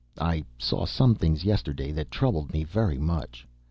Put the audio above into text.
_ I saw some things yesterday that troubled me very much.